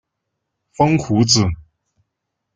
风胡子。